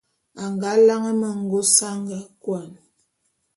A nga lane mengôs a nga kôan.